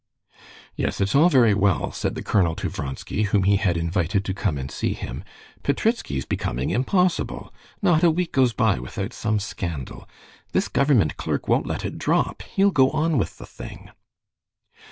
"Yes, it's all very well," said the colonel to Vronsky, whom he had invited to come and see him. "Petritsky's becoming impossible. Not a week goes by without some scandal. This government clerk won't let it drop, he'll go on with the thing."